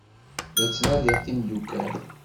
La ttnadiɣ timeddukal.